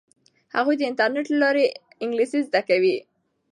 هغوی د انټرنیټ له لارې انګلیسي زده کوي.